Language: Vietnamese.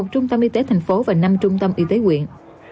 một trung tâm y tế thành phố và năm trung tâm y tế quyện